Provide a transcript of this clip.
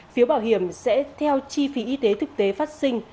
phiếu bảo hiểm sẽ theo chi phí y tế thực tế phát sinh